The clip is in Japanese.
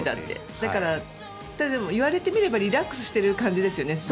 だから言われてみればリラックスしている感じですよね。